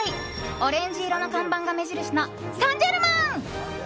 オレンジ色の看板が目印のサンジェルマン。